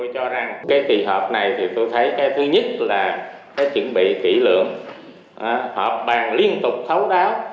cái kỳ họp này thì tôi thấy cái thứ nhất là cái chuẩn bị kỹ lưỡng họp bàn liên tục thấu đáo